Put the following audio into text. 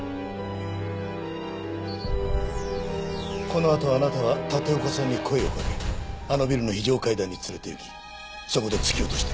このあとあなたは立岡さんに声をかけあのビルの非常階段に連れて行きそこで突き落として殺害した。